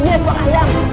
iya suara ayam